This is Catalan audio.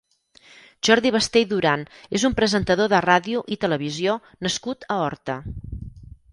Jordi Basté i Duran és un presentador de ràdio i televisió nascut a Horta.